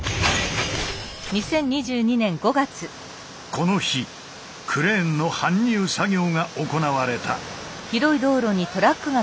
この日クレーンの搬入作業が行われた。